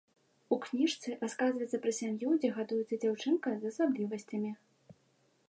У кніжцы расказваецца пра сям'ю, дзе гадуецца дзяўчынка з асаблівасцямі.